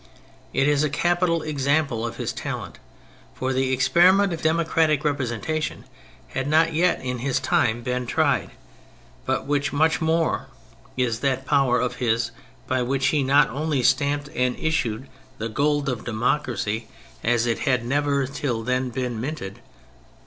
It is a capital example of his talent, for the experiment of democratic representation had not yet, in his time, been tried. But much more is that power of his by which he not only stamped and issued the gold of democracy as it had ROUSSEAU 29 never till then been minted.